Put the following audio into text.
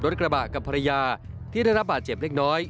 กระบะกับภรรยาที่ได้รับบาดเจ็บเล็กน้อย